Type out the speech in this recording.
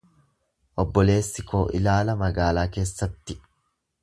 Obboleessi koo ilaala magaalaa keessatti.